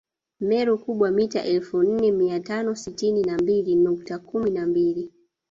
Meru Kubwa mita elfu nne mia tano sitini na mbili nukta kumi na mbili